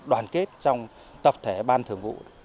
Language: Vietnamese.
đoàn kết trong tập thể ban thường vụ